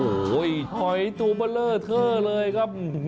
โอ้โห้ยตัวเบลอเท่าเลยครับ